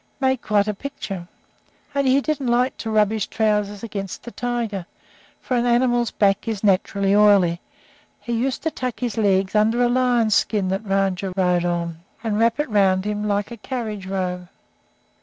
Made quite a picture. Only he didn't like to rub his trousers against the tiger, for an animal's back is naturally oily; so he used to tuck his legs under a lion's skin that Rajah rode on, and wrap it around him like a carriage robe.